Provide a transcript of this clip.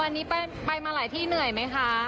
วันนี้ไปมาหลายที่เหนื่อยไหมคะ